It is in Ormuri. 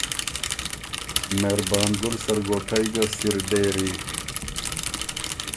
مهربان ګُل سرګوټئ ګه سِر دېری